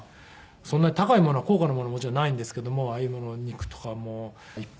そんなに高いものは高価なものはもちろんないんですけどもああいうものを肉とかもういっぱい。